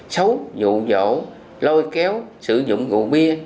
xấu dụ dỗ lôi kéo sử dụng gụ bia